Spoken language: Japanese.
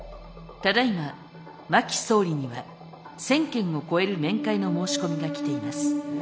ただいま真木総理には１，０００件を超える面会の申し込みが来ています。